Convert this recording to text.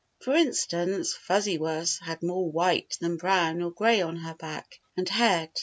For instance. Fuzzy Wuzz had more white than brown or gray on her back and head.